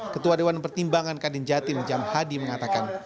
ketua dewan pertimbangan kadin jatim jam hadi mengatakan